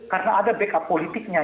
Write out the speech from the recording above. karena ada backup politiknya